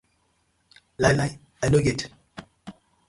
Lai lai I no get.